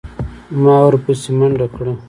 ما ورپسې منډه کړه.